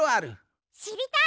しりたい。